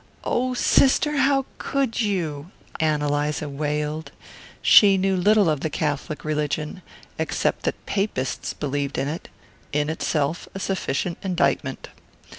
"Oh, sister, how could you?" Ann Eliza wailed. She knew little of the Catholic religion except that "Papists" believed in it in itself a sufficient indictment.